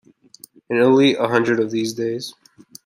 In Italy, A hundred of these days!